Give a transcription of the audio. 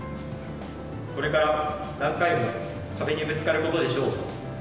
これから何回も壁にぶつかることでしょう。